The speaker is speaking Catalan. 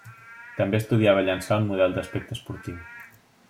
També estudiava llançar un model d'aspecte esportiu.